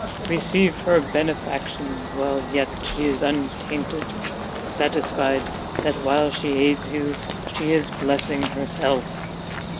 receive her benefactions while yet she is untainted, satisfied that while, she aids you, she is blessing herself!"